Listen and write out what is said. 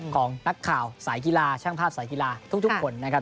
ของนักข่าวสายกีฬาช่างภาพสายกีฬาทุกคนนะครับ